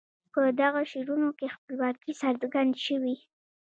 په دغو شعرونو کې خپلواکي څرګند شوي.